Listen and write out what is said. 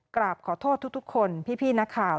กราบขอโทษทุกคนพี่นักข่าว